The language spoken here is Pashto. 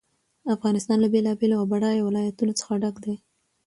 افغانستان له بېلابېلو او بډایه ولایتونو څخه ډک دی.